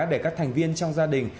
để các thành viên trong gia đình